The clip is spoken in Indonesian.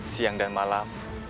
siang dan malam